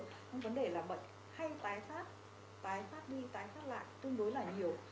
nhưng vấn đề là bệnh hay tái phát tái phát đi tái phát lại tương đối là nhiều